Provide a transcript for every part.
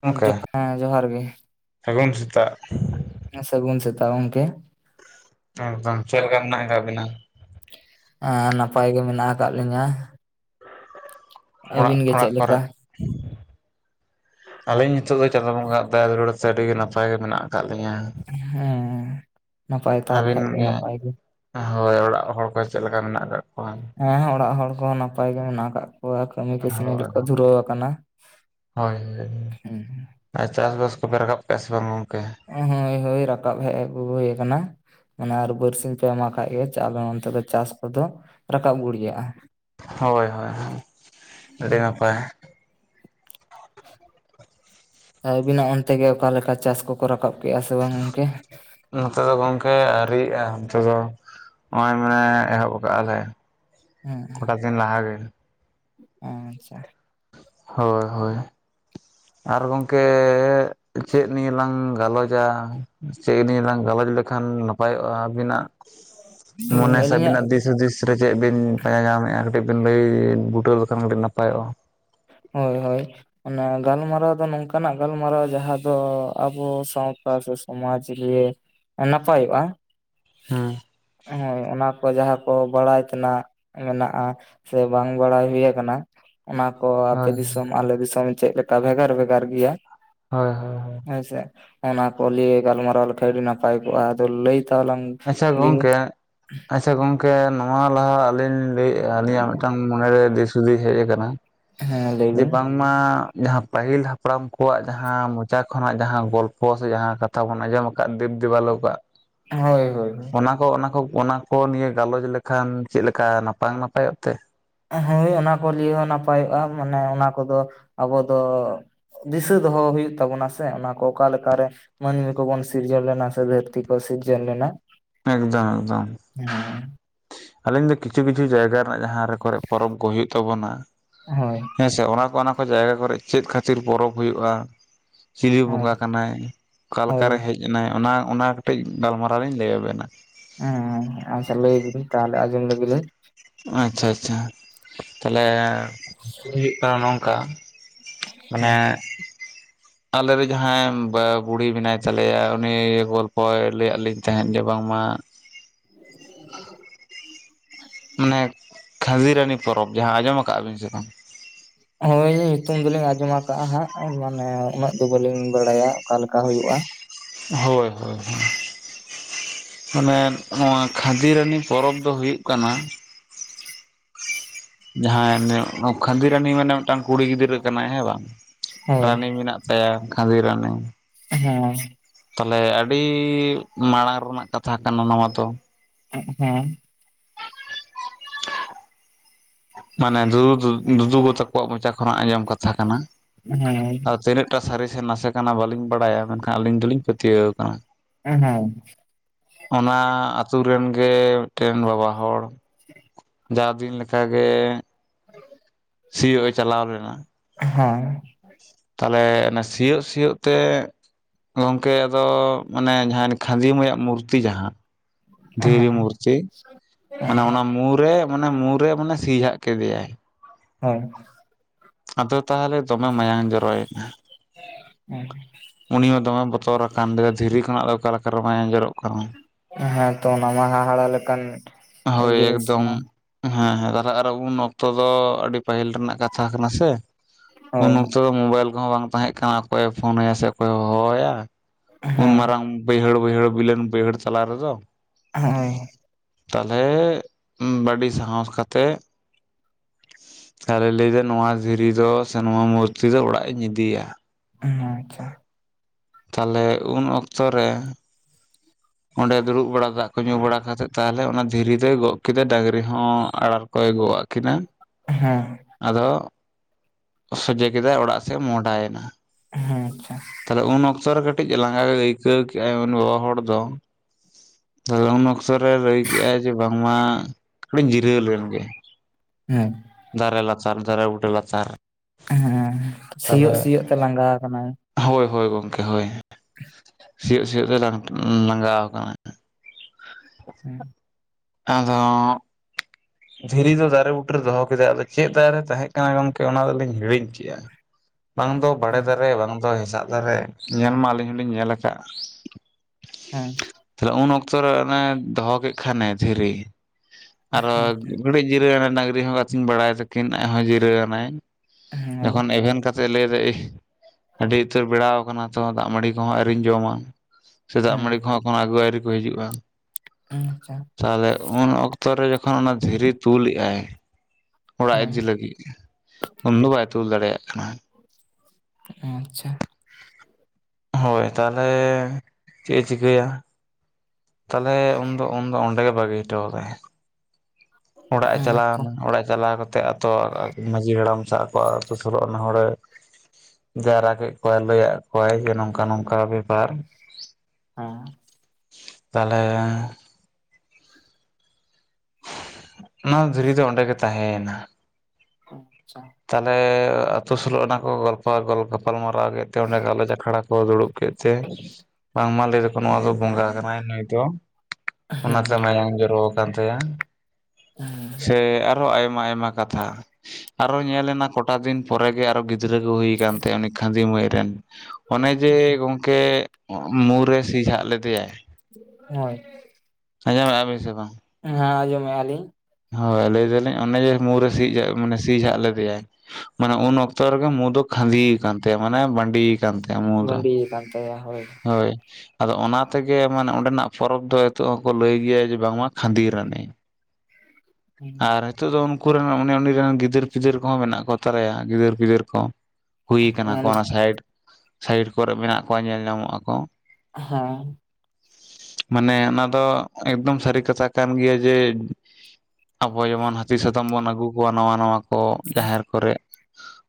ᱜᱚᱝᱠᱮ ᱡᱚᱦᱟᱨ ᱜᱮ᱾ ᱥᱟᱹᱜᱩᱱ ᱥᱮᱛᱟᱜ ᱥᱟᱹᱜᱩᱱ ᱥᱮᱛᱟᱜ ᱜᱚᱢᱠᱮ ᱮᱠᱫᱚᱢ ᱪᱮᱫ ᱞᱮᱠᱟ ᱢᱮᱱᱟᱜ ᱟᱠᱟᱟ ᱵᱤᱱᱟ ᱮᱸ ᱱᱟᱯᱟᱭ ᱜᱮ ᱢᱮᱱᱟᱜ ᱟᱠᱟᱫ ᱞᱤᱧᱟᱹ᱾ ᱚᱲᱟᱜ ᱟᱹᱵᱤᱱ ᱜᱮ ᱚᱲᱟᱜ ᱪᱮᱫ ᱠᱚᱨᱮ ᱞᱮᱠᱟ ᱟᱹᱞᱤᱧ ᱱᱤᱛᱚᱜ ᱫᱚ ᱪᱟᱸᱫᱟ ᱵᱚᱸᱜᱟᱟᱜ ᱦᱟ ᱨᱩᱣᱟᱹᱲ ᱛᱮ ᱟᱹᱰᱤ ᱱᱟᱯᱟᱭ ᱜᱮ ᱢᱮᱱᱟᱜ ᱟᱠᱟᱫ ᱞᱤᱧᱟᱹ᱾ ᱦᱮᱸ ᱱᱟᱯᱟᱭ ᱛᱟᱦᱚᱞᱮᱠᱷᱟᱡ ᱜᱮ ᱱᱟᱯᱟᱭ ᱜᱮ᱾ ᱦᱳᱭ ᱚᱲᱟᱜ ᱦᱚᱲ ᱠᱚ ᱪᱮᱫ ᱞᱮᱠᱟ ᱢᱮᱱᱟᱜ ᱟᱠᱟᱜ ᱠᱚᱣᱟ? ᱦᱮᱸ ᱚᱲᱟᱜ ᱦᱚᱲ ᱠᱚᱦᱚᱸ ᱱᱟᱯᱟᱭ ᱜᱮ ᱢᱮᱱᱟᱜ ᱟᱠᱟᱜ ᱠᱚᱣᱟ᱾ ᱠᱟᱹᱢᱤ ᱠᱟᱥᱱᱤ ᱨᱮᱠᱚ ᱫᱷᱩᱨᱟᱹᱣ ᱟᱠᱟᱱᱟ ᱦᱳᱭ ᱦᱳᱭ ᱦᱮᱸ᱾ ᱟᱨ ᱪᱟᱥᱵᱟᱥ ᱠᱚᱯᱮ ᱨᱟᱠᱟᱵ ᱠᱟᱜᱼᱟ ᱥᱮ ᱵᱟᱝ ᱜᱚᱝᱠᱮ? ᱦᱳᱭ ᱦᱳᱭ ᱨᱟᱠᱟᱵ ᱦᱮᱡ ᱟᱹᱜᱩ ᱦᱩᱭ ᱟᱠᱟᱱᱟ᱾ ᱢᱟᱱᱮ ᱟᱨ ᱵᱟᱨᱥᱤᱧ ᱯᱮ ᱮᱢᱟ ᱠᱷᱟᱡ ᱜᱮ ᱟᱞᱮ ᱚᱱᱛᱮ ᱫᱚ ᱪᱟᱥ ᱠᱚᱫᱚ ᱨᱟᱠᱟᱵ ᱜᱚᱲᱤᱭᱟᱜᱼᱟ᱾ ᱦᱳᱭ ᱦᱳᱭ ᱟᱹᱰᱤ ᱱᱟᱯᱟᱭ ᱟᱹᱵᱤᱱᱟᱜ ᱚᱱᱛᱮ ᱜᱮ ᱚᱠᱟ ᱞᱮᱠᱟ ᱪᱟᱥ ᱠᱚᱠᱚ ᱨᱟᱠᱟᱵ ᱠᱮᱜᱼᱟ ᱥᱮ ᱵᱟᱝ ᱜᱚᱝᱠᱮ? ᱱᱚᱛᱮ ᱫᱚ ᱜᱚᱝᱠᱮ ᱟᱹᱣᱨᱤᱭᱼᱟ ᱱᱚᱛᱮ ᱫᱚ ᱱᱚᱜᱼᱚᱭ ᱢᱟᱱᱮ ᱮᱦᱚᱵ ᱠᱟᱜᱼᱟ ᱞᱮ᱾ ᱦᱮᱸ ᱜᱚᱴᱟ ᱞᱟᱦᱟ ᱜᱮ ᱟᱪᱪᱷᱟ ᱦᱳᱭ ᱦᱳᱭ ᱟᱨ ᱜᱚᱝᱠᱮ ᱪᱮᱫ ᱱᱤᱭᱮ ᱞᱟᱝ ᱜᱟᱞᱚᱪᱟ ᱪᱮᱫ ᱱᱤᱭᱟᱹ ᱞᱟᱝ ᱜᱟᱞᱚᱪ ᱞᱮᱠᱷᱟᱱ ᱱᱟᱯᱟᱭᱚᱜᱼᱟ ᱟᱹᱵᱤᱱᱟᱜ᱾ ᱢᱚᱱᱮ ᱟᱹᱞᱤᱧᱟᱜ ᱥᱟᱵᱤᱱᱟ ᱫᱤᱥ ᱦᱚᱫᱤᱥ ᱪᱮᱫ ᱵᱤᱱ ᱯᱟᱸᱡᱟ ᱧᱟᱢ ᱮᱜᱼᱟ ᱠᱟᱹᱴᱤᱡ ᱵᱤᱱ ᱞᱟᱹᱭ ᱵᱩᱴᱟᱹᱣ ᱞᱮᱠᱷᱟᱱ ᱠᱟᱹᱴᱤᱡ ᱱᱟᱯᱟᱭᱚᱜᱼᱟ᱾ ᱦᱳᱭ ᱦᱳᱭ᱾ ᱚᱱᱮ ᱜᱟᱞᱢᱟᱨᱟᱣ ᱫᱚ ᱱᱚᱝᱠᱟᱱᱟᱜ ᱜᱟᱞᱢᱟᱨᱟᱣ ᱡᱟᱦᱟᱸ ᱫᱚ ᱟᱵᱚ ᱥᱟᱶᱛᱟ ᱥᱮ ᱥᱚᱢᱟᱡᱽ ᱨᱮ ᱱᱟᱯᱟᱭᱚᱜᱼᱟ ᱦᱮᱸ᱾ ᱦᱳᱭ ᱚᱱᱟ ᱠᱚ ᱡᱟᱦᱟᱸ ᱠᱚ ᱵᱟᱲᱟᱭ ᱛᱮᱱᱟᱜ ᱢᱮᱱᱟᱜᱼᱟ, ᱥᱮ ᱵᱟᱝ ᱵᱟᱲᱟᱭ ᱦᱩᱭ ᱟᱠᱟᱱᱟ ᱚᱱᱟ ᱠᱳ ᱟᱯᱮ ᱦᱳᱭ ᱫᱤᱥᱚᱢ ᱟᱞᱮ ᱫᱤᱥᱚᱢ ᱪᱮᱫ ᱞᱮᱠᱟ ᱵᱷᱮᱜᱟᱨ ᱵᱷᱮᱜᱟᱨ ᱜᱮᱭᱟ᱾ ᱦᱳᱭ ᱦᱳᱭ᱾ ᱦᱳᱭᱥᱮ ᱚᱱᱟ ᱠᱚ ᱞᱤᱭᱮ ᱜᱟᱞᱢᱟᱨᱟᱣ ᱞᱮ ᱠᱷᱟᱱ ᱟᱹᱰᱤ ᱱᱟᱯᱟᱭ ᱠᱚᱜᱼᱟ᱾ ᱟᱫᱚ ᱞᱟᱹᱭ ᱛᱞᱟᱝ ᱟᱪᱪᱷᱟ ᱜᱚᱝᱠᱮ, ᱟᱪᱪᱷᱟ ᱜᱚᱝᱠᱮ ᱱᱚᱣᱟ ᱞᱟᱦᱟ ᱟᱹᱞᱤᱧ ᱞᱟᱹᱭᱮᱜᱼᱟ ᱟᱹᱞᱤᱧᱟᱜ ᱢᱤᱫᱴᱟᱝ ᱢᱚᱱᱮᱨᱮ ᱫᱤᱥ ᱦᱩᱫᱤᱥ ᱦᱮᱡ ᱟᱠᱟᱱᱟ᱾ ᱦᱮᱸ ᱞᱟᱹᱭᱵᱤᱱ᱾ ᱢᱟ ᱡᱟᱦᱟᱸ ᱯᱟᱹᱦᱤᱞ ᱦᱟᱯᱲᱟᱢ ᱠᱚᱣᱟᱜ ᱡᱟᱦᱟᱸ ᱢᱚᱪᱟ ᱠᱷᱚᱱᱟᱜ ᱡᱟᱦᱟᱸ ᱜᱚᱞᱯᱷᱚ ᱥᱮ ᱡᱟᱦᱟᱸ ᱠᱟᱛᱷᱟ᱾ ᱛᱷᱟ ᱵᱚᱱ ᱟᱸᱡᱚᱢ ᱟᱠᱟᱫ ᱫᱮᱵ ᱫᱮᱵᱟᱞᱳᱠ ᱟᱜ ᱦᱳᱭ ᱦᱳᱭ᱾ ᱠᱚ ᱚᱱᱟ ᱠᱚ ᱚᱱᱟ ᱠᱚ ᱱᱤᱭᱟᱹᱮ ᱜᱟᱞᱚᱪ ᱞᱮᱠᱷᱟᱱ ᱪᱮᱫ ᱞᱮᱠᱟ ᱱᱟᱯᱟᱭ ᱵᱟᱝ ᱱᱟᱯᱟᱭᱚᱜ ᱛᱮ? ᱦᱳᱭ ᱚᱱᱟ ᱠᱚ ᱞᱤᱭᱮ ᱦᱚᱸ ᱱᱟᱯᱟᱭᱚᱜᱼᱟ ᱢᱟᱱᱮ ᱚᱱᱟ ᱠᱚᱫᱚ ᱟᱵᱚ ᱫᱚ ᱫᱤᱥᱟᱹ ᱫᱚᱦᱚ ᱦᱩᱭᱩᱜ ᱛᱟᱵᱚᱱᱟ ᱥᱮ ᱚᱱᱟ ᱠᱚ ᱚᱠᱟ ᱞᱮᱠᱟᱨᱮ ᱢᱟᱹᱱᱢᱤ ᱠᱚ ᱵᱚᱱ ᱥᱤᱨᱡᱚᱱ ᱞᱮᱱᱟ ᱥᱮ ᱫᱷᱟᱹᱨᱛᱤ ᱠᱚ ᱥᱤᱨᱡᱚᱱ ᱞᱮᱱᱟ᱾ ᱮᱠᱫᱚᱢ ᱮᱠᱫᱚᱢ᱾ ᱦᱮᱸ᱾ ᱟᱞᱤᱧ ᱫᱚ ᱠᱤᱪᱷᱩ ᱠᱤᱪᱷᱩ ᱡᱟᱭᱜᱟ ᱨᱮᱱᱟᱜ ᱡᱟᱦᱟᱸ ᱨᱮ ᱠᱚᱨᱮ ᱯᱚᱨᱚᱵᱽ ᱠᱚ ᱦᱩᱭᱩᱜ ᱛᱟᱵᱚᱱᱟ ᱦᱳᱭ ᱦᱮᱸᱥᱮ ᱚᱱᱟ ᱠᱚ ᱠᱚ ᱡᱟᱭᱜᱟ ᱠᱚᱨᱮ ᱪᱮᱫ ᱠᱷᱟᱹᱛᱤᱨ ᱯᱚᱨᱚᱵᱽ ᱦᱩᱭᱩᱜᱼᱟ? ᱪᱤᱞᱤ ᱦᱳᱭ ᱵᱚᱸᱜᱟ ᱠᱟᱱᱟᱭ ᱚᱠᱟ ᱦᱳᱭ ᱞᱮᱠᱟᱨᱮ ᱦᱮᱡ ᱮᱱᱟᱭ᱾ ᱚᱱᱟ ᱚᱱᱟ ᱠᱟᱹᱴᱤᱡ ᱜᱟᱞᱢᱟᱨᱟᱣ ᱞᱤᱧ ᱞᱟᱹᱭᱟᱵᱮᱱᱟ᱾ ᱦᱮᱸ ᱟᱪᱷᱟ ᱞᱟᱹᱭ ᱞᱮᱵᱤᱱ ᱛᱟᱦᱞᱮ ᱟᱸᱡᱚᱢ ᱞᱮᱜᱮ ᱞᱤᱧ᱾ ᱟᱪᱪᱷᱟ ᱟᱪᱪᱷᱟ ᱛᱟᱦᱞᱮ ᱦᱩᱭᱩᱜ ᱠᱟᱱᱟ ᱱᱚᱝᱠᱟ ᱢᱟᱱᱮ ᱦᱮᱸ ᱟᱞᱮᱨᱮ ᱡᱟᱦᱟᱸᱭ ᱵᱩᱲᱦᱤ ᱢᱮᱱᱟᱭ ᱛᱟᱞᱮᱭᱟ ᱩᱱᱤ ᱜᱚᱞᱯᱚᱭ ᱞᱟᱹᱭᱟᱫ ᱞᱤᱧ ᱛᱟᱦᱮᱸᱫ᱾ ᱡᱮ ᱵᱟᱝᱢᱟ [inaudible] ᱢᱟᱱᱮ ᱠᱷᱟᱹᱫᱤᱨᱟᱱᱤ ᱯᱚᱨᱚᱵᱽ ᱡᱟᱦᱟ ᱟᱡᱚᱢ ᱟᱠᱟᱜ ᱟᱵᱤᱱ ᱥᱮ ᱵᱟᱝ? ᱦᱳᱭ ᱧᱩᱛᱩᱢ ᱫᱚᱞᱤᱧ ᱟᱸᱡᱚᱢ ᱟᱠᱟ ᱦᱟᱸᱜ ᱢᱟᱱᱮ ᱩᱱᱟᱹᱜ ᱫᱚ ᱵᱟᱹᱞᱤᱧ ᱵᱟᱲᱟᱭᱟ ᱚᱠᱟᱞᱮᱠᱟ ᱦᱩᱭᱩᱜᱼᱟ? ᱦᱳᱭ ᱦᱳᱭ ᱦᱳᱭ᱾ ᱢᱟᱱᱮ ᱱᱚᱣᱟ ᱠᱷᱟᱸᱫᱤᱨᱟᱱᱤ ᱯᱚᱨᱚᱵᱽ ᱫᱚ ᱦᱩᱭᱩᱜ ᱠᱟᱱᱟ᱾ ᱡᱟᱦᱟᱭ ᱠᱷᱟᱸᱫᱤ ᱨᱟᱱᱤ ᱢᱟᱱᱮ ᱢᱤᱫᱴᱟᱝ ᱠᱩᱲᱤ ᱜᱤᱫᱽᱨᱟᱹ ᱠᱟᱱᱟᱭ᱾ ᱦᱮᱸ ᱵᱟᱝ ᱦᱳᱭ ᱨᱟᱱᱤ ᱢᱮᱱᱟᱜ ᱛᱟᱭᱟ ᱠᱷᱟᱸᱫᱤ ᱨᱟᱱᱤ᱾ ᱦᱮᱸ᱾ ᱛᱟᱞᱦᱮ ᱟᱹᱰᱤ ᱢᱟᱲᱟᱝ ᱨᱮᱱᱟᱜ ᱠᱟᱛᱷᱟ ᱠᱟᱱᱟ ᱱᱚᱣᱟ ᱫᱚ᱾ ᱮᱜ ᱦᱮᱸ᱾ ᱢᱟᱱᱮ ᱫᱩ ᱫᱩᱫᱩᱜᱚ ᱛᱟᱠᱚᱣᱟᱜ ᱢᱚᱪᱟ ᱠᱷᱚᱱᱟᱜ ᱟᱸᱡᱚᱢ ᱠᱟᱛᱷᱟ ᱠᱟᱱᱟ᱾ ᱦᱮᱸ᱾ ᱟᱨ ᱛᱤᱱᱟᱹᱜ ᱴᱟ ᱥᱟᱨᱤ ᱥᱮ ᱱᱟᱥᱮ ᱠᱟᱱᱟ ᱵᱟᱞᱤᱧ ᱵᱟᱲᱟᱭᱟ᱾ ᱢᱮᱱᱠᱷᱟᱱ ᱟᱹᱞᱤᱧ ᱫᱚᱞᱤᱧ ᱯᱟᱹᱛᱭᱟᱹᱣ ᱠᱟᱱᱟ᱾ ᱦᱮᱸ ᱦᱮᱸ᱾ ᱚᱱᱟ ᱟᱛᱩ ᱨᱮᱱ ᱜᱮ ᱢᱤᱫᱴᱮᱱ ᱵᱟᱵᱟ ᱦᱚᱲ [unintelligible] ᱡᱟᱣ ᱫᱤᱱ ᱞᱮᱠᱟᱜᱮ ᱥᱤᱭᱳᱜ ᱮ ᱪᱟᱞᱟᱣ ᱞᱮᱱᱟ᱾ ᱦᱮᱸ᱾ ᱛᱟᱞᱦᱮ ᱥᱤᱭᱳᱜ ᱥᱤᱭᱳᱜ ᱛᱮ ᱜᱚᱝᱠᱮ ᱟᱫᱚ ᱢᱟᱱᱮ ᱡᱟᱦᱟᱭ ᱩᱱᱤ ᱠᱷᱟᱸᱫᱤ ᱢᱟᱹᱭ ᱟᱜ ᱢᱩᱨᱛᱤ ᱡᱟᱦᱟ ᱫᱷᱤᱨᱤ ᱢᱩᱨᱛᱤ ᱦᱮᱸ ᱢᱟᱱᱮ ᱚᱱᱟ ᱢᱩᱨᱮ ᱢᱟᱱᱮ ᱢᱩᱨᱮ ᱢᱟᱱᱮ ᱥᱤ ᱡᱷᱟᱜ ᱠᱮᱫᱮᱭᱟᱭ [unintelligible] ᱟᱫᱚ ᱛᱟᱦᱚᱞᱮ ᱫᱚᱢᱮ ᱢᱟᱭᱟᱝ ᱡᱚᱨᱚᱭ ᱱᱟ ᱦᱮᱸ ᱩᱱᱤ ᱢᱟ ᱫᱚᱢᱮ ᱵᱚᱛᱚᱨ ᱠᱟᱱ ᱞᱮᱫᱟ ᱫᱷᱤᱨᱤ ᱠᱷᱚᱱᱟᱜ ᱫᱚ ᱚᱠᱟ ᱞᱮᱠᱟ ᱨᱮ ᱵᱟᱭᱟᱝ ᱡᱚᱨᱚᱜ ᱠᱟᱱᱟ ᱦᱮᱸ ᱛᱚ ᱚᱱᱟᱢᱟ ᱦᱟᱦᱟᱲᱟ ᱞᱮᱠᱟᱱ ᱦᱳᱭ ᱡᱤᱱᱤᱥ ᱠᱟᱱᱟ ᱮᱠᱫᱚᱢ ᱦᱮᱸ ᱦᱮᱸ ᱟᱨᱚ ᱩᱱ ᱚᱠᱛᱚ ᱫᱚ ᱟᱹᱰᱤ ᱯᱟᱹᱦᱤᱞ ᱨᱮᱱᱟᱜ ᱠᱟᱛᱷᱟ ᱠᱟᱱᱟ ᱥᱮ ᱩᱱ ᱦᱳᱭ ᱚᱠᱛᱚ ᱫᱚ ᱢᱳᱵᱟᱭᱤᱞ ᱠᱚᱦᱚᱸ ᱵᱟᱝ ᱛᱟᱦᱮᱸ ᱠᱟᱱᱟ ᱚᱠᱚᱭᱮ ᱯᱷᱳᱱ ᱟᱭᱟ ᱥᱮ ᱚᱠᱚᱭᱮ ᱦᱚᱦᱚᱣᱟᱭᱟ ᱩᱱ ᱦᱮᱸ ᱢᱟᱨᱟᱝ ᱵᱟᱹᱭᱦᱟᱹᱲ ᱵᱟᱹᱭᱦᱟᱹᱲ ᱵᱤᱞᱟᱹᱱ ᱵᱟᱹᱭᱦᱟᱹᱲ ᱛᱟᱞᱟ ᱨᱮᱫᱚ [unintelligible] ᱛᱟᱦᱞᱮ ᱟᱹᱰᱤ ᱥᱟᱦᱚᱥ ᱠᱟᱛᱮᱜ ᱛᱟᱦᱞᱮ ᱞᱟᱹᱭᱫᱟ ᱱᱚᱣᱟ ᱫᱷᱤᱨᱤ ᱫᱚ ᱥᱮ ᱱᱚᱣᱟ ᱢᱩᱨᱛᱤ ᱫᱚ ᱚᱲᱟᱜ ᱤᱧ ᱤᱫᱤᱭᱟ ᱟᱪᱪᱷᱟ ᱛᱟᱦᱞᱮ ᱩᱱ ᱚᱠᱛᱚ ᱨᱮ ᱚᱸᱰᱮ ᱫᱩᱲᱩᱵ ᱵᱟᱲᱟ ᱫᱟᱜ ᱠᱚ ᱧᱩ ᱵᱟᱲᱟ ᱠᱟᱛᱮᱜ ᱛᱟᱦᱚᱞᱮ ᱚᱱᱟ ᱫᱷᱤᱨᱤ ᱫᱚᱭ ᱜᱚᱜ ᱠᱮᱫᱟ ᱰᱟᱝᱨᱤ ᱦᱚᱸ ᱟᱲᱟᱨ ᱠᱚᱭ ᱜᱚᱜ ᱟᱜ ᱠᱤᱱᱟ ᱦᱮᱸ ᱟᱫᱚ ᱥᱚᱡᱷᱮ ᱠᱮᱫᱟᱭ ᱚᱲᱟᱜ ᱥᱮᱫ ᱢᱚᱦᱰᱟᱭᱮᱱᱟ ᱦᱮᱸ ᱟᱪᱪᱷᱟ ᱛᱟᱦᱞᱮ ᱩᱱ ᱚᱠᱛᱚ ᱨᱮ ᱠᱟ- ᱴᱤᱡ ᱞᱟᱸᱜᱟ ᱜᱮ ᱟᱹᱭᱠᱟᱹᱣ ᱠᱮᱜᱟᱭ ᱩᱱ ᱵᱟᱵᱟ ᱦᱚᱲ ᱫᱚ ᱛᱟᱞᱦᱮ ᱚᱠᱛᱚ ᱨᱮ ᱞᱟᱹᱭ ᱠᱮᱜᱟᱭ ᱡᱮ ᱵᱟᱝᱢᱟ ᱡᱤᱨᱟᱹᱣ ᱞᱮᱱ ᱜᱮ ᱦᱮᱸ ᱫᱟᱨᱮ ᱞᱟᱛᱟᱨ ᱫᱟᱨᱮ ᱵᱩᱴᱟᱹ ᱞᱟᱛᱟᱨ ᱨᱮ ᱦᱮᱸ ᱥᱤᱭᱳᱜ ᱥᱤᱭᱳᱜ ᱛᱮ ᱞᱟᱸᱜᱟ ᱠᱟᱱᱟᱭ ᱦᱳᱭ ᱦᱳᱭ ᱜᱚᱝᱠᱮ ᱦᱳᱭ ᱥᱤᱭᱳᱜ ᱥᱤᱭᱳᱜ ᱛᱮ ᱞᱟᱸᱜᱟᱣ ᱠᱟᱱᱟᱭ ᱦᱮᱸ ᱟᱫᱚ ᱫᱷᱤᱨᱤ ᱫᱚ ᱫᱟᱨᱮ ᱵᱩᱴᱟᱹᱨᱮ ᱫᱚᱦᱚ ᱠᱮᱫᱟᱭ ᱟᱫᱚ ᱪᱮᱫ ᱫᱟᱨᱮ ᱨᱮ ᱛᱟᱦᱮᱸ ᱠᱟᱱᱟ ᱜᱚᱢᱠᱮ ᱚᱱᱟ ᱫᱚᱞᱤᱧ ᱦᱤᱲᱤᱧ ᱠᱮᱜᱼᱟ᱾ ᱵᱟᱝ ᱫᱚ ᱵᱟᱲᱮ ᱦᱮᱸ ᱫᱟᱨᱮ ᱵᱟᱝ ᱫᱚ ᱦᱮᱸᱥᱟᱜ ᱫᱟᱨᱮ ᱧᱮᱞ ᱢᱟ ᱟᱹᱞᱤᱧ ᱦᱚᱞᱤᱧ ᱧᱮᱞ ᱟᱠᱟᱟᱜᱼᱟ᱾ ᱦᱮᱸ ᱛᱟ ᱩᱱ ᱚᱠᱛᱚ ᱨᱮ ᱚᱱᱮ ᱫᱚᱦᱚ ᱠᱮ ᱠᱷᱟᱱᱮ ᱫᱷᱤᱨᱤ᱾ ᱟᱨᱚ ᱟᱪᱪᱷᱟ ᱜᱟᱴᱤᱡ ᱡᱤᱨᱟᱹᱣᱮᱱᱟᱭ ᱰᱟᱝᱨᱤ ᱦᱚᱸ ᱟᱹᱛᱤᱧ ᱵᱟᱲᱟᱭ ᱛᱟᱹᱠᱤᱱ ᱟᱡᱦᱚᱸ ᱡᱤᱨᱟᱹᱣᱱᱟᱭ᱾ ᱦᱳᱭ ᱡᱚᱠᱷᱚᱱ ᱮᱵᱷᱮᱱ ᱠᱟᱛ ᱞᱟᱹᱭ ᱫᱟᱭ ᱤᱦ ᱟᱹᱰᱤ ᱩᱛᱟᱹᱨ ᱵᱮᱲᱟᱣ ᱟᱠᱟᱱᱟ ᱛᱚ ᱫᱟᱜ ᱢᱟᱹᱲᱤ ᱠᱚᱦᱚᱸ ᱟᱣᱨᱤᱧ ᱡᱚᱢᱟ᱾ ᱥᱮ ᱫᱟᱜ ᱦᱮᱸ ᱢᱹᱰᱤ ᱠᱚᱦᱚᱸ ᱮᱠᱷᱚᱱ ᱟᱹᱜᱩ ᱟᱣᱨᱤ ᱠᱚ ᱦᱤᱡᱩᱜᱼᱟ᱾ ᱟᱪᱪᱷᱟ ᱛᱟᱦᱚᱞᱮ ᱩᱱ ᱚᱠᱛᱚ ᱨᱮ ᱡᱚᱠᱷᱚᱱ ᱚᱱᱟ ᱫᱷᱤᱨᱤ ᱛᱩᱞᱮᱜᱼᱟᱭ᱾ ᱚᱲᱟᱜ ᱦᱳᱭ ᱤᱫᱤ ᱞᱟᱹᱜᱤᱫ ᱩᱱ ᱫᱚ ᱵᱟᱭ ᱛᱩᱞ ᱫᱟᱲᱮᱭᱟᱜ ᱠᱟᱱᱟ᱾ ᱟᱪᱪᱷᱟ ᱦᱳᱭ ᱛᱟᱦᱚᱞᱮ ᱪᱮᱫ ᱮ ᱪᱤᱠᱟᱹᱭᱟ᱾ ᱛᱟᱦᱚᱞᱮ ᱩᱱᱫᱚ ᱩᱱᱫᱚ ᱚᱸᱰᱮᱜᱮ ᱵᱟᱹᱜᱤ ᱦᱚᱴᱚᱣᱟᱫᱟᱭ᱾ ᱚᱲᱟᱜ ᱮ ᱦᱮᱸ ᱪᱟᱞᱟᱣ ᱮᱱᱟ ᱚᱲᱟᱜ ᱪᱟᱞᱟᱣ ᱠᱟᱛᱮᱜ ᱟᱛᱚ ᱢᱟᱺᱡᱷᱤ ᱦᱟᱲᱟᱢ ᱥᱟᱣ ᱟᱠᱚ ᱟᱹᱛᱩ ᱥᱳᱞᱳ ᱟᱱᱟ ᱦᱚᱲᱮ᱾ ᱡᱟᱣᱨᱟ ᱠᱮᱫ ᱠᱚᱣᱟᱭ ᱞᱟᱹᱭᱟᱫ ᱠᱚᱣᱟᱭ ᱡᱮ ᱱᱚᱝᱠᱟ ᱱᱚᱝᱠᱟ ᱵᱮᱯᱟᱨ᱾ ᱦᱮᱸ ᱛᱟᱦᱚᱞᱮ ᱚᱱᱟ ᱫᱷᱤᱨᱤ ᱫᱚ ᱚᱸᱰᱮ ᱜᱮ ᱛᱟᱦᱮᱸᱭᱮᱱᱟ᱾ ᱟᱪᱪᱷᱟ ᱛᱟᱦᱚᱞᱮ ᱟᱛᱳ ᱥᱳᱞᱳ ᱚᱱᱟ ᱠᱚ ᱜᱚᱞᱯᱚ ᱟ ᱜᱚᱞᱯᱚ᱾ ᱜᱟᱞᱢᱟᱨᱟᱣ ᱠᱮᱫ ᱛᱮ ᱚᱸᱰᱮ ᱜᱟᱞᱚᱪ ᱟᱠᱷᱲᱟ ᱠᱚ ᱫᱩᱲᱩᱵ ᱠᱮᱫ ᱛᱮ ᱵᱟᱝᱢᱟ ᱞᱟᱹᱭ ᱫᱟᱠᱚ᱾ ᱱᱚᱣᱟ ᱫᱚ ᱵᱚᱸᱜᱟ ᱠᱟᱱᱟᱭ ᱱᱩᱭ ᱫᱚ ᱦᱮᱸ ᱚᱱᱟᱛᱮ ᱢᱟᱭᱟᱝ ᱡᱚᱨᱚ ᱟᱠᱟᱱ ᱛᱟᱭᱟ ᱦᱮᱸ ᱥᱮ ᱟᱨᱦᱚᱸ ᱟᱭᱢᱟ ᱟᱭᱢᱟ ᱠᱟᱛᱷᱟ ᱟᱨᱚ ᱧᱮᱞ ᱮᱱᱟ ᱠᱚᱴᱟ ᱫᱤᱱ ᱯᱚᱨᱮ ᱜᱮ ᱟᱨᱚ ᱜᱤᱫᱽᱨᱟᱹ ᱠᱚ ᱦᱩᱭ ᱟᱠᱟᱱ ᱛᱟᱭᱟ ᱩᱱᱤ ᱠᱷᱟᱫᱤ ᱢᱟᱹᱭ ᱨᱮᱱ ᱚᱱᱮ ᱡᱮ ᱜᱚᱝᱠᱮ ᱢᱩᱨᱮ ᱥᱤᱡᱷᱟᱜ ᱞᱮᱫᱮᱭᱟᱭ ᱦᱳᱭ ᱟᱸᱡᱚᱢᱮ ᱟᱵᱤᱱ ᱥᱮ ᱵᱟᱝ ᱦᱮᱸ ᱟᱸᱡᱚᱢᱮᱜ ᱟᱞᱤᱧ᱾ ᱦᱳᱭ ᱞᱟᱹᱭ ᱫᱟᱞᱤᱧ ᱚᱱᱮ ᱡᱮ ᱢᱩᱨᱮ ᱥᱤᱡᱷᱟᱜ ᱢᱟᱱᱮ ᱥᱤᱡᱷᱟᱜ ᱞᱮᱫᱮᱭᱟᱭ᱾ ᱢᱟᱱᱮ ᱩᱱ ᱚᱠᱛᱚ ᱨᱮᱜᱮ ᱢᱩᱸ ᱫᱚ ᱠᱷᱟᱸᱫᱤ ᱟᱠᱟᱱ ᱛᱟᱭᱟ ᱢᱟᱱᱮ ᱵᱟᱺᱰᱤ᱾ ᱠᱟᱱᱛᱮ [unintelligible] ᱵᱟᱺᱰᱤ ᱟ᱾ᱠᱟᱱ ᱛᱟᱭᱟ ᱦᱳᱭ᱾ ᱦᱳᱭ ᱟᱫᱚ ᱚᱱᱟ ᱛᱮᱜᱮ ᱢᱟᱱᱮ ᱚᱸᱰᱮᱱᱟᱜ ᱯᱚᱨᱚᱵᱽ ᱫᱚ ᱱᱤᱛᱚᱜ ᱦᱚᱸᱠᱚ ᱞᱟᱹᱭ ᱜᱮᱭᱟ ᱡᱮ ᱵᱟᱝᱢᱟ ᱠᱷᱟᱺᱫᱤᱨᱟᱱᱤ᱾ [inaudible] ᱟᱨ ᱱᱤᱛᱚᱜ ᱫᱚ ᱩᱱᱠᱩᱨᱮᱱ ᱚᱱᱮ ᱩᱱᱤ ᱨᱮᱱ ᱜᱤᱫᱟᱹᱨ ᱯᱤᱫᱟᱹᱨ ᱠᱚᱦᱚᱸ ᱢᱮᱱᱟᱜ ᱠᱚᱛᱟᱞᱮᱭᱟ ᱜᱤᱫᱟᱹᱨ ᱯᱤᱫᱟᱹᱨ ᱠᱚ᱾ ᱦᱩᱭ ᱠᱟᱱᱟ ᱠᱚ ᱚᱱᱟ ᱥᱟᱭᱤᱰ ᱥᱟᱭᱤᱰ ᱠᱚᱨᱮ ᱢᱮᱱᱟᱜ ᱠᱚᱣᱟ ᱧᱮᱞ ᱧᱟᱢᱚᱜ ᱟᱠᱚ᱾ ᱦᱮᱸ ᱢᱟᱱᱮ ᱚᱱᱟ ᱫᱚ ᱮᱠᱫᱚᱢ ᱥᱟᱹᱨᱤ ᱠᱟᱛᱷᱟ ᱠᱟᱱ ᱜᱮᱭᱟ ᱡᱮ᱾ ᱟᱵᱚ ᱡᱮᱢᱚᱱ ᱦᱟᱹᱛᱤ ᱥᱟᱫᱚᱢ ᱵᱚᱱ ᱟᱹᱜᱩ ᱠᱚᱣᱟ ᱱᱟᱣᱟ ᱱᱟᱣᱟ᱾ ᱠᱚ ᱡᱟᱦᱮᱨ ᱠᱚᱨᱮ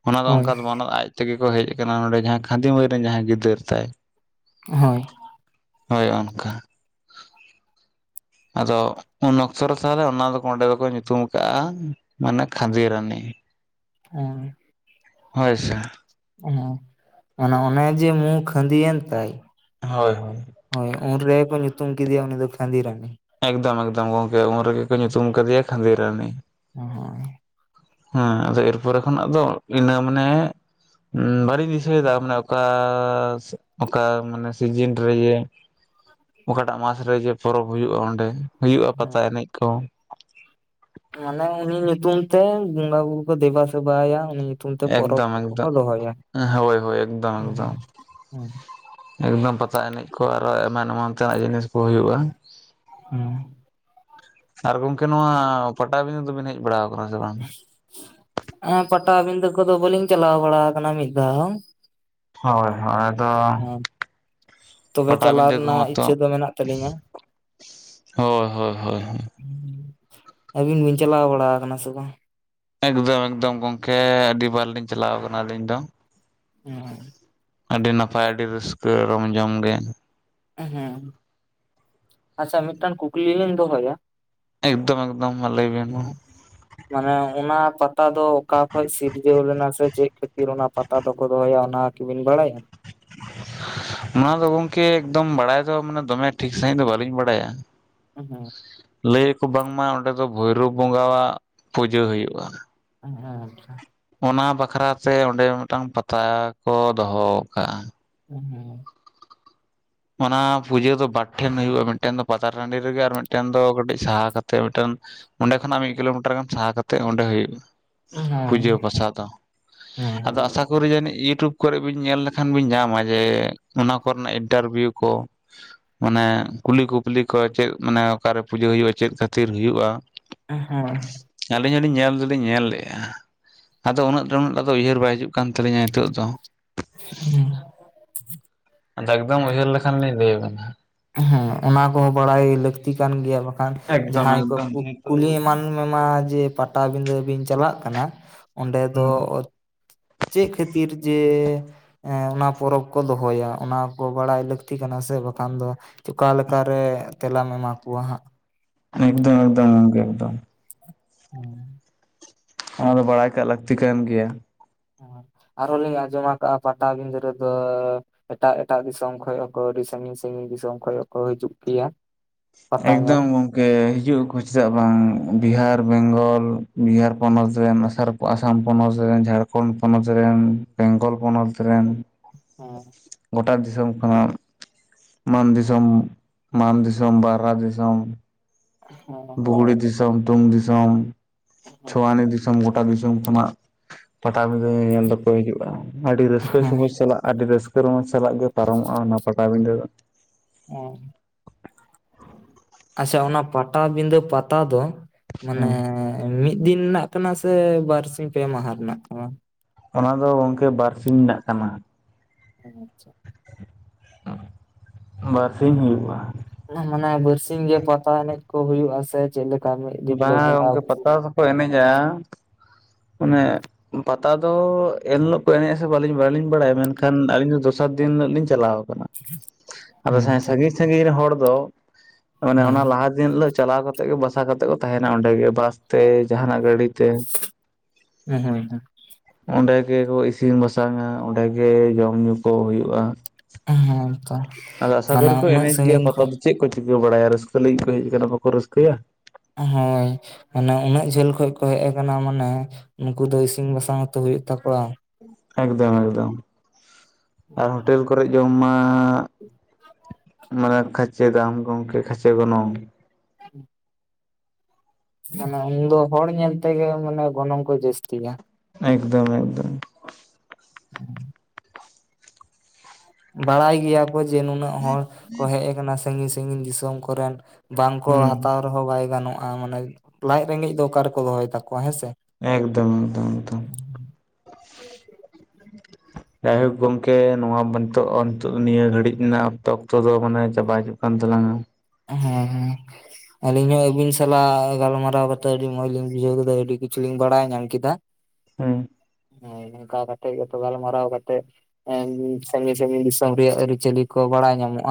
ᱚᱱᱟ ᱫᱚ ᱦᱳᱭ ᱚᱱᱠᱟ ᱫᱚ ᱵᱟᱝ ᱚᱱᱟᱫᱚ᱾ ᱛᱮᱜᱮ ᱠᱚ ᱦᱮᱡ ᱟᱠᱟᱱᱟ ᱱᱚᱰᱮ ᱡᱟᱦᱟᱸᱭ ᱠᱷᱟᱺᱫᱤ ᱢᱟᱹᱭ ᱨᱮᱱ ᱡᱟᱦᱟᱸᱭ ᱜᱤᱫᱟᱹᱨ ᱛᱟᱭ᱾ ᱦᱳᱭ ᱦᱳᱭ ᱚᱱᱠᱟ᱾ ᱟᱫᱚ ᱩᱱ ᱚᱠᱛᱚ ᱨᱮ ᱛᱟᱦᱚᱞᱮ ᱚᱱᱟ ᱫᱚ ᱚᱸᱰᱮ ᱫᱚᱠᱚ ᱧᱩᱛᱩᱢ ᱟᱠᱟᱜᱼᱟ ᱢᱟᱱᱮ ᱠᱷᱟᱺᱫᱤ ᱨᱟᱱᱤ᱾ ᱟᱦᱸ [unintelligible] ᱦᱳᱭ ᱥᱮ ᱚᱱ ᱚᱱᱮ ᱡᱮ ᱢᱩ ᱠᱷᱟᱺᱫᱤᱭᱮᱱ ᱛᱟᱭ ᱦᱳᱭ ᱦᱳᱭ ᱦᱳᱭ ᱩᱱ ᱨᱮᱜᱮ ᱠᱚ ᱧᱩᱛᱩᱢ ᱠᱮᱫᱮᱭᱟ ᱩᱱᱤ ᱫᱚ ᱠᱷᱟᱺᱫᱤ ᱨᱟᱱᱤ ᱮᱠᱫᱚᱢ ᱮᱠᱫᱚᱢ ᱜᱚᱝᱠᱮ ᱩᱱ ᱨᱮᱜᱮ ᱠᱚ ᱧᱩᱛᱩᱢ ᱠᱟᱫᱮᱭᱟ ᱠᱷᱟᱺᱫᱤ ᱨᱟᱱᱤ ᱦᱩᱸ ᱦᱮᱸ ᱟᱫᱚ ᱮᱨᱯᱚᱨᱮ ᱠᱷᱚᱱᱟᱜ ᱫᱚ ᱤᱱᱟᱹ ᱢᱟᱱᱮ ᱵᱟᱹᱞᱤᱧ ᱫᱤᱥᱟᱹᱭᱮᱫᱟ ᱢᱟᱱᱮ ᱚᱠᱟᱻ ᱥᱮᱜ ᱚᱠᱟ ᱢᱟᱱᱮ ᱥᱤᱡᱤᱱ ᱨᱮ ᱤᱭᱟᱹ ᱚᱠᱟᱴᱟᱜ ᱢᱟᱥ ᱨᱮ ᱡᱮ ᱯᱚᱨᱚᱵᱽ ᱦᱩᱭᱩᱜᱼᱟ ᱚᱸᱰᱮ ᱦᱩᱭᱩᱜᱼᱟ ᱯᱟᱛᱟ ᱮᱱᱮᱡ ᱠᱚ ᱢᱟᱱᱮ ᱩᱱᱤ ᱧᱩᱛᱩᱢ ᱛᱮ ᱵᱚᱸᱜᱟ ᱵᱩᱨᱩ ᱠᱚ ᱫᱮᱵᱟ ᱥᱮᱵᱟᱭᱟ ᱩᱱᱤ ᱧᱩ ᱮᱠᱫᱚᱢ ᱮᱠᱫᱚᱢ ᱦᱳᱭ ᱦᱳᱭ ᱮᱠᱫᱚᱢ ᱮᱠᱫᱚᱢ ᱦᱮᱸ ᱮᱠᱫᱚᱢ ᱯᱟᱛᱟ ᱮᱱᱮᱡ ᱠᱚ ᱟᱨᱚ ᱮᱢᱟᱱ ᱮᱢᱟᱱ ᱛᱮᱱᱟᱜ ᱡᱤᱱᱤᱥ ᱠᱚ ᱦᱩᱭᱩᱜᱼᱟ ᱦᱩᱸ ᱟᱨ ᱜᱚᱝᱠᱮ ᱱᱚᱶᱟ ᱯᱟᱴᱟᱵᱤᱸᱫᱟᱹ ᱫᱚᱵᱤᱱ ᱦᱮᱡ ᱵᱟᱲᱟᱣ ᱠᱟᱱᱟ ᱥᱮ ᱵᱟᱝ ᱩᱸ ᱯᱟᱴᱟᱵᱤᱸᱫᱟᱹ ᱠᱚᱫᱚ ᱵᱟᱹᱞᱤᱧ ᱪᱟᱞᱟᱣ ᱵᱟᱲᱟ ᱠᱟᱱᱟ ᱢᱤᱫ ᱫᱷᱟᱣ ᱦᱚᱸ ᱦᱳᱭ ᱦᱳᱭ ᱫᱚᱻ ᱦᱚᱸ ᱛᱚᱵᱮ ᱪᱟᱞᱟᱣ ᱯᱟᱴᱟᱵᱤᱸᱫᱟᱹ ᱨᱮᱱᱟᱜ ᱠᱚᱦᱚᱸ ᱤᱪᱪᱷᱟᱹ ᱛᱚᱜ ᱫᱚ ᱢᱮᱱᱟᱜ ᱛᱟᱹᱞᱤᱧᱟ ᱼᱼ ᱦᱳᱭ ᱦᱳᱭ ᱦᱳᱭ ᱟᱹᱵᱤᱱ ᱵᱤᱱ ᱪᱟᱞᱟᱣ ᱵᱟᱲᱟ ᱠᱟᱱᱟ ᱥᱮ ᱵᱟᱝ ᱮᱠᱫᱚᱢ ᱮᱠᱫᱚᱢ ᱜᱚᱝᱠᱮ ᱟᱹᱰᱤᱵᱟᱨ ᱞᱤᱧ ᱪᱟᱞᱟᱣ ᱠᱟᱱᱟ ᱟᱹᱞᱤᱧ ᱫᱚ ᱦᱩᱸ ᱟᱹᱰᱤ ᱱᱟᱯᱟᱭ ᱟᱹᱰᱤ ᱨᱟᱹᱥᱠᱟᱹ ᱨᱚᱢᱼᱡᱚᱢ ᱜᱮ ᱦᱩᱸ ᱟᱪᱪᱷᱟ ᱢᱤᱫᱴᱟᱱ ᱠᱩᱠᱞᱤ ᱞᱤᱧ ᱫᱚᱦᱚᱭᱟ ᱮᱠᱫᱚᱢ ᱮᱠᱫᱚᱢ ᱢᱟ ᱞᱟᱹᱭ ᱵᱮᱱ ᱢᱟ ᱢᱟᱱᱮ ᱚᱱᱟ ᱯᱟᱛᱟ ᱫᱚ ᱚᱠᱟ ᱠᱷᱚᱡ ᱥᱤᱨᱡᱟᱹᱣ ᱞᱮᱱᱟ ᱥᱮ ᱪᱮᱫ ᱠᱷᱟᱹᱛᱤᱨ ᱚᱱᱟ ᱯᱟᱛ ᱛᱟ ᱫᱚᱠᱚ ᱫᱚᱦᱚᱭᱟ ᱚᱱᱟ ᱠᱤᱵᱤᱱ ᱵᱟᱲᱟᱭᱟ? ᱚᱱᱟ ᱫᱚ ᱜᱚᱝᱠᱮ ᱮᱠᱫᱚᱢ ᱵᱟᱲᱟᱭ ᱫᱚ ᱢᱟᱱᱮ ᱫᱚᱢᱮ ᱴᱷᱤᱠ ᱥᱟᱺᱦᱤᱡ ᱫᱚ ᱵᱟᱹᱞᱤᱧ ᱵᱟᱲᱟᱭᱟ ᱾ ᱦᱩᱜ ᱦᱩᱸ ᱾ ᱞᱟᱹᱭ ᱟᱠᱚ ᱵᱟᱝᱢᱟ ᱚᱸᱰᱮ ᱫᱚ ᱵᱷᱳᱭᱨᱳᱵ ᱵᱚᱸᱜᱟᱣᱟᱜ ᱯᱩᱡᱟᱹ ᱦᱩᱭᱩᱜᱼᱟ ᱾ ᱦᱮᱸ ᱟᱪᱪᱷᱟ ᱾ ᱚᱱᱟ ᱵᱟᱠᱷᱨᱟᱛᱮ ᱚᱸᱰᱮ ᱢᱤᱫᱴᱟᱝ ᱯᱟᱛᱟ ᱠᱚ ᱫᱚᱦᱚ ᱠᱟᱜᱼᱟ ᱾ [unintelligible] ᱚᱱᱟ ᱯᱩᱡᱟᱹ ᱫᱚ ᱵᱟᱨ ᱴᱷᱮᱱ ᱦᱩᱭᱩᱜᱼᱟ ᱢᱤᱫᱴᱮᱱ ᱫᱚ ᱯᱟᱛᱟ ᱴᱟᱺᱰᱤ ᱨᱮᱜᱮ ᱟᱨ ᱢᱤᱫᱴᱮᱱ ᱫᱚ ᱠᱟᱹᱴᱤᱡ ᱥᱟᱦᱟ ᱠᱟᱛᱮᱫ ᱢᱤᱫᱴᱮᱱ ᱚᱸᱰᱮ ᱠᱷᱚᱱᱟᱜ ᱢᱤᱫ ᱠᱤᱞᱳᱢᱤᱴᱟᱨ ᱜᱟᱱ ᱥᱟᱦᱟ ᱠᱟᱛᱮᱜ ᱚᱸᱰᱮ ᱦᱩᱭᱩᱜᱼᱟ ᱾ ᱦᱮᱸ ᱯᱩᱡᱟᱹ ᱯᱟᱥᱟ ᱫᱚ ᱟᱫᱚ ᱟᱥᱟ ᱠᱚᱨᱮ ᱡᱟᱹᱱᱤᱡ ᱤᱭᱩᱴᱩᱵᱽ ᱠᱚᱨᱮ ᱵᱤᱱ ᱧᱮᱞ ᱞᱮᱠᱷᱟᱱ ᱵᱤᱱ ᱧᱟᱢᱟ ᱡᱮ ᱚᱱᱟ ᱠᱚᱨᱮᱱᱟᱜ ᱤᱱᱴᱟᱨᱵᱷᱤᱭᱩ ᱠᱚ ᱢᱟᱱᱮ ᱠᱩᱞᱤ ᱠᱩᱯᱞᱤ ᱠᱚ ᱪᱮᱫ ᱢᱟᱱᱮ ᱚᱠᱟᱨᱮ ᱯᱩᱡᱟᱹ ᱦᱩᱭᱩᱜᱼᱟ ᱪᱮᱫ ᱠᱷᱟᱹᱛᱤᱨ ᱦᱩᱭᱩᱜᱼᱟ ᱚᱸ ᱦᱮᱸ ᱟᱹᱞᱤᱧ ᱦᱚᱸᱞᱤᱧ ᱧᱮᱞ ᱫᱚᱞᱤᱧ ᱧᱮᱞ ᱞᱮᱜᱼᱟ ᱾ ᱟᱫᱚ ᱩᱱᱟᱹᱜ ᱩᱱᱟᱹᱜ ᱴᱟ ᱫᱚ ᱩᱭᱦᱟᱹᱨ ᱵᱟᱭ ᱦᱤᱡᱩᱜ ᱠᱟᱱ ᱛᱟᱹᱞᱤᱧᱟ ᱱᱤᱛᱚᱜ ᱫᱚ ᱦᱩᱸ ᱾ ᱟᱫᱚ ᱮᱠᱫᱚᱢ ᱩᱭᱦᱟᱹᱨ ᱞᱮᱠᱷᱟᱱ ᱞᱤᱧ ᱞᱟᱹᱭ ᱟᱵᱤᱱᱟ ᱾ ᱦᱮᱸ ᱚᱱᱟ ᱠᱚᱦᱚᱸ ᱵᱟᱲᱟᱭ ᱞᱟᱹᱠᱛᱤ ᱠᱟᱱ ᱜᱮᱭᱟ ᱵᱟᱠᱷᱟᱱ ᱮᱠᱫᱚᱢ ᱡᱟᱦᱟᱸᱭ ᱠᱚ ᱮᱠᱫᱚᱢ ᱠᱩᱠ ᱡᱮᱦᱮᱛᱩ ᱠᱩᱞᱤ ᱮᱢᱟᱱ ᱢᱮᱱᱟ ᱡᱮ ᱯᱟᱴᱟᱵᱤᱫᱟᱹ ᱵᱤᱱ ᱪᱟᱞᱟᱜ ᱠᱟᱱᱟ ᱚᱸᱰᱮ ᱫᱚ ᱪᱮᱜ ᱠᱷᱟᱹᱛᱤᱨ ᱡᱮ ᱮᱸ ᱚᱱᱟ ᱯᱚᱨᱚᱵᱽ ᱠᱚ ᱫᱚᱦᱚᱭᱟ ᱚᱱᱟ ᱠᱚ ᱵᱟᱲᱟᱭ ᱞᱟᱹᱠᱛᱤ ᱠᱟᱱᱟ ᱥᱮ ᱵᱟᱠᱷᱟᱱ ᱫᱚ ᱚᱠᱟ ᱞᱮᱠᱟᱨ ᱨᱮ ᱛᱮᱞᱟᱢ ᱮᱢᱟ ᱠᱚᱣᱟ ᱦᱟᱸᱜ ᱮᱠᱫᱚᱢ ᱮᱠᱫᱚᱢ ᱜᱚᱝᱠᱮ ᱮᱠᱫᱚᱢ ᱾ ᱦᱩᱸ ᱾ ᱚᱱᱟ ᱫᱚ ᱵᱟᱲᱟᱭ ᱠᱟᱜ ᱞᱟᱹᱠᱛᱤ ᱠᱟᱱ ᱜᱮᱭᱟ ᱾ ᱟᱨ ᱦᱚᱸᱞᱤᱧ ᱟᱸᱡᱚᱢ ᱠᱟᱜᱼᱟ ᱯᱟᱴᱟᱵᱤᱫᱟᱹ ᱨᱮᱫᱚ ᱮᱴᱟᱜ ᱮᱴᱟᱜ ᱫᱤᱥᱚᱢ ᱠᱷᱚᱡᱽ ᱦᱚᱸ ᱠᱚ ᱟᱹᱰᱤ ᱥᱟᱺᱜᱤᱧ ᱥᱟᱺᱜᱤᱧ ᱫᱤᱥᱚᱢ ᱠᱷᱚᱡᱽ ᱦᱚᱸ ᱠᱚ ᱦᱤᱡᱩᱜ ᱜᱮᱭᱟ ᱾ ᱮᱠᱫᱚᱢ [unintelligible] ᱜᱮ ᱦᱤᱡᱩᱜ ᱟᱠᱚ ᱪᱮᱫᱟᱜ ᱵᱟᱝ ᱵᱤᱦᱟᱨ ᱵᱮᱝᱜᱚᱞ ᱵᱤᱦᱟᱨ ᱯᱚᱱᱚᱛ ᱨᱮᱱ [unintelligible] ᱟᱥᱟᱢ ᱯᱚᱱᱚᱛ ᱨᱮᱱ, ᱡᱷᱟᱠᱷᱚᱸᱱᱰ ᱯᱚᱱᱚᱛ ᱨᱮᱱ, ᱵᱮᱝᱜᱚᱞ ᱯᱚᱱᱚᱛ ᱨᱮᱱ, ᱦᱩᱸ ᱾ ᱜᱚᱴᱟ ᱫᱤᱥᱚᱢ ᱠᱷᱚᱱᱟᱜ ᱢᱟᱱ ᱫᱤᱥᱚᱢ, ᱢᱟᱱ ᱫᱤᱥᱚᱢ, ᱵᱟᱨᱦᱟ ᱫᱤᱥᱚᱢ, ᱵᱩᱜᱲᱤ ᱫᱤᱥᱚᱢ, ᱛᱩᱝ ᱫᱤᱥᱚᱢ, ᱪᱷᱳᱣᱟᱱᱤ ᱫᱤᱥᱚᱢ, ᱜᱚᱴᱟ ᱫᱤᱥᱚᱢ ᱠᱷᱚᱱᱟᱜ ᱯᱟᱴᱟᱵᱤᱫᱟᱹ ᱧᱮᱧᱮᱞ ᱫᱚᱯᱮ ᱦᱤᱡᱩᱜᱼᱟ, ᱟᱹᱰᱤ ᱨᱟᱹᱥᱠᱟᱹ ᱥᱩᱵᱩᱫ ᱥᱟᱞᱟᱜᱼᱟ ᱾ ᱟᱹᱰᱤ ᱨᱟᱹᱥᱠᱟᱹ ᱨᱚᱢᱚᱡᱽ ᱥᱟᱞᱟᱜ ᱜᱮ ᱯᱟᱨᱚᱢᱚᱜᱼᱟ ᱚᱱᱟ ᱯᱟᱴᱟᱵᱤᱫᱟᱹ ᱫᱚ ᱚᱸ ᱟᱪᱪᱷᱟ ᱚᱱᱟ ᱯᱟᱴᱟᱵᱤᱫᱟᱹ ᱯᱟᱛᱟ ᱫᱚ ᱢᱟᱱᱮ ᱦᱮᱸ ᱢᱤᱫ ᱫᱤᱱ ᱨᱮᱱᱟᱜ ᱠᱟᱱᱟ ᱥᱮ ᱵᱟᱨ ᱥᱤᱧ ᱯᱮ ᱢᱟᱦᱟ ᱨᱮᱱᱟᱜ ᱠᱟᱱᱟ? ᱚᱱᱟ ᱫᱚ ᱜᱚᱝᱠᱮ ᱵᱟᱨ ᱥᱤᱧ‌‌ ᱨᱮᱱᱟᱜ ᱠᱟᱱᱟ ᱾ ᱚᱸ ᱟᱪᱪᱷᱟ ᱾ [inaudible] ᱵᱟᱨ ᱥᱤᱧ ᱦᱩᱭᱩᱜᱼᱟ ᱾ ᱚᱱᱟ ᱢᱟᱱᱮ ᱵᱟᱨ ᱥᱤᱧ ᱜᱮ ᱯᱟᱛᱟ ᱮᱱᱮᱡ ᱠᱚ ᱦᱩᱭᱩᱜᱼᱟ ᱥᱮ ᱪᱮᱫ ᱞᱮᱠ ᱵᱟᱝ-ᱟ ᱜᱚᱝᱠᱮ ᱯᱟᱛᱟ ᱦᱚᱠᱚ ᱮᱱᱮᱡᱟ ᱚᱱᱮ ᱯᱟᱛᱟ ᱫᱚ ᱮᱱᱞᱳᱜ ᱠᱚ ᱮᱱᱮᱡᱼᱟ ᱥᱮ ᱵᱟᱹᱞᱤᱧ ᱵᱟᱲᱟᱭᱼᱟ ᱢᱮᱱᱠᱷᱟᱱ ᱟᱹᱞᱤᱧ ᱫᱚᱥᱟᱨ ᱫᱤᱱ ᱦᱤᱞᱳ ᱞᱤᱧ ᱪᱟᱞᱟᱣ ᱟᱫᱚ ᱦᱮᱸ ᱛᱚ ᱥᱟᱺᱜᱤᱧ ᱥᱟᱺᱜᱤᱧ ᱨᱮᱱ ᱦᱚᱲ ᱫᱚ ᱢᱟᱱᱮ ᱚᱱᱟ ᱞᱟᱦᱟ ᱩᱱ ᱦᱤᱞᱳᱜ ᱪᱟᱞᱟᱣ ᱠᱟᱛᱮ ᱜᱮ ᱵᱟᱥᱟ ᱠᱟᱛᱮ ᱠᱚ ᱛᱟᱸᱦᱮᱱᱟ ᱚᱸᱰᱮ ᱜᱮ ᱵᱟᱥ ᱛᱮ ᱡᱟᱦᱟᱱᱼᱟᱜ ᱜᱟᱹᱲᱤ ᱛᱮ, ᱦᱮᱸ ᱦᱮᱸ ᱚᱸᱰᱮ ᱜᱮᱠᱚ ᱤᱥᱤᱱ ᱵᱟᱥᱟᱝᱼᱟ ᱚᱸᱰᱮ ᱜᱮ ᱡᱚᱢ ᱧᱩ ᱠᱚ ᱦᱳᱭᱳᱜᱼᱟ ᱾ ᱦᱮᱸ ᱛᱚ ᱟᱫᱚ ᱟᱸᱥᱟ ᱢᱟᱱᱮ ᱠᱚᱨᱮ ᱠᱚ ᱩᱱᱟᱹᱜ ᱮᱱᱮᱡ ᱜᱮᱭᱟ ᱥᱟᱺᱜᱤᱧ ᱠᱷᱚᱱ ᱯᱟᱛᱟ ᱫᱚ ᱪᱮᱫ ᱠᱚ ᱪᱤᱠᱟᱹ ᱵᱟᱲᱟᱭᱼᱟ ᱨᱟᱹᱥᱠᱟᱹ ᱞᱟᱹᱜᱤᱫ ᱠᱚ ᱦᱮᱡ ᱟᱠᱟᱱᱟ ᱵᱟᱠᱚ ᱨᱟᱹᱥᱠᱟᱹᱭᱟ ᱾ ᱦᱳᱭ ᱾ ᱚᱱᱮ ᱩᱱᱟᱹᱜ ᱡᱷᱟᱹᱞ ᱠᱷᱚᱡᱽ ᱠᱚ ᱦᱮᱡ ᱟᱠᱟᱱᱟ ᱢᱟᱱᱮ ᱩᱱᱩᱠᱩ ᱫᱚ ᱤᱥᱤᱱ ᱵᱟᱥᱟᱝ ᱦᱚᱛᱚ ᱦᱳᱭᱳᱜ ᱛᱟᱠᱚᱣᱟ ᱾ ᱮᱠᱫᱚᱢ ᱮᱠᱫᱚᱢ ᱟᱨ ᱦᱳᱴᱮᱞ ᱠᱚᱨᱮ ᱡᱚᱢ ᱢᱟ ᱦᱟᱸᱜ ᱢᱟᱱᱮ ᱠᱷᱟᱪᱮ ᱫᱟᱢ ᱜᱚᱝᱠᱮ ᱠᱷᱟᱪᱮ ᱜᱚᱱᱚᱝ [unintelligible] ᱢᱟᱱᱮ ᱩᱱ ᱫᱚ ᱦᱚᱲ ᱧᱮᱞ ᱛᱮᱜᱮ ᱢᱟᱱᱮ ᱜᱚᱱᱚᱝ ᱠᱚ ᱡᱟᱹᱥᱛᱤᱭᱼᱟ ᱮᱠᱫᱚᱢ ᱮᱠᱫᱚᱢ [inaudible] ᱵᱟᱲᱟᱭ ᱜᱮᱭᱟ ᱠᱚ ᱡᱮ ᱱᱩᱱᱟᱹᱜ ᱦᱚᱲ ᱠᱚ ᱦᱮᱡ ᱟᱠᱟᱱᱟ ᱥᱟᱺᱜᱤᱧ ᱥᱟᱺᱜᱤᱧ ᱫᱤᱥᱚᱢ ᱠᱚ ᱨᱮᱱ ᱵᱟᱝ ᱠᱚ ᱦᱩᱸ ᱦᱟᱛᱟᱣ ᱨᱮ ᱦᱚᱸ ᱵᱟᱭ ᱜᱟᱱᱚᱜᱼᱟ ᱢᱟᱱᱮ ᱞᱟᱡ ᱨᱮᱸᱜᱮᱡ ᱫᱚ ᱚᱠᱟ ᱨᱮ ᱠᱚ ᱫᱚᱦᱚᱭ ᱛᱟᱠᱚᱣᱟ ᱦᱮᱸ ᱥᱮ ᱮᱠᱫᱚᱢ ᱮᱠᱫᱚᱢ ᱮᱠᱫᱚᱢ ᱡᱟᱭ ᱦᱳᱠ ᱜᱚᱝᱠᱮ ᱱᱚᱣᱟ ᱱᱤᱛᱳᱜ [unintelligible] ᱱᱤᱭᱟᱹ ᱜᱷᱟᱹᱲᱤᱡ ᱨᱮᱱᱟᱜ ᱚᱠᱛᱚ ᱚᱠᱛᱚ ᱫᱚ ᱢᱟᱱᱮ ᱪᱟᱵᱟ ᱦᱤᱡᱩᱜ ᱠᱟᱱ ᱛᱟᱞᱟᱝ-ᱟ [unintelligible] ᱟᱹᱞᱤᱧ ᱦᱚᱸ ᱟᱹᱵᱤᱱ ᱥᱟᱞᱟᱜ ᱜᱟᱞᱢᱟᱨᱟᱣ ᱠᱟᱛᱮ ᱟᱹᱰᱤ ᱢᱚᱸᱡᱽ ᱞᱤᱧ ᱵᱩᱡᱷᱟᱹᱣ ᱠᱮᱫᱟ ᱟᱹᱰᱤ ᱠᱤᱪᱷᱩ ᱞᱤᱧ ᱵᱟᱲᱟᱭ ᱧᱟᱢ ᱠᱮᱫᱟ᱾ ᱦᱩᱸ ᱦᱳᱭ ᱤᱱᱠᱟ ᱠᱟᱛᱮᱜ ᱜᱮ ᱛᱚ ᱜᱟᱞᱢᱟᱨᱟᱣ ᱠᱟᱛᱮᱫ [unintelligible] ᱥᱟᱺᱜᱤᱧ ᱥᱟᱺᱜᱤᱧ ᱫᱤᱥᱚᱢ ᱨᱮᱭᱟᱜ ᱟᱹᱨᱤ ᱪᱟᱹᱞᱤ ᱠᱚ ᱵᱟᱲᱟᱭ ᱧᱟᱢᱚᱜᱼᱟ᱾